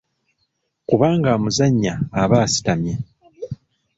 Kubanga amuzannya aba asitamye.